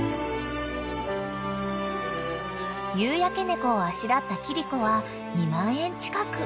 ［夕焼け猫をあしらった切子は２万円近く］